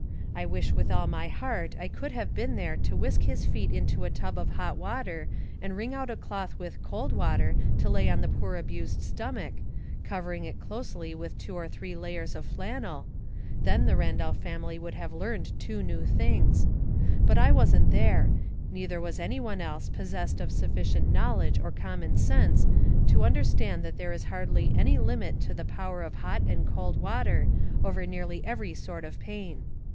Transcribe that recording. I wish with all my heart I could have been there to whisk his feet into a tub of hot water and wring out a cloth with cold water to lay on the poor abused stomach, covering it closely with two or three layers of flannel — then the Randolph family would have learned two new things ; but I wasn't there, neither was any one else possessed of sufficient knowledge or common sense to un derstand that there is hardly any limit to the power of hot and cold water over nearly every sort of pain.